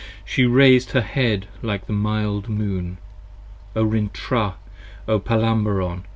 She rais'd her head like the mild Moon. O Rintrah! O Palamabron!